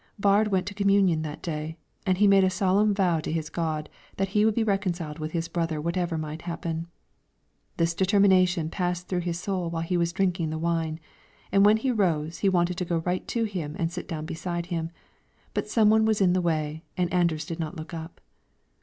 Baard went to communion that day, and he made a solemn vow to his God that he would be reconciled with his brother whatever might happen. This determination passed through his soul while he was drinking the wine, and when he rose he wanted to go right to him and sit down beside him; but some one was in the way and Anders did not look up.